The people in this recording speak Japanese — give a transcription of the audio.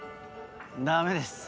ダメです